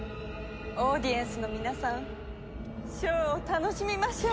オーディエンスの皆さんショーを楽しみましょう。